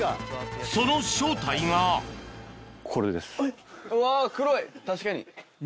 その正体が確かに！